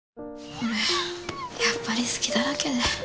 俺やっぱり隙だらけで。